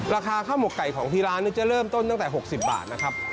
ราคาข้าวหมกไก่ของที่ร้านจะเริ่มต้นตั้งแต่๖๐บาทนะครับ